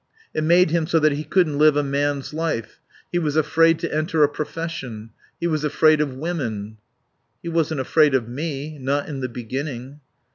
It made him so that he couldn't live a man's life. He was afraid to enter a profession. He was afraid of women." "He wasn't afraid of me. Not in the beginning."